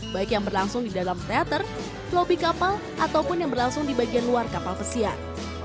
baik yang berlangsung di dalam teater lobby kapal ataupun yang berlangsung di bagian luar kapal pesiar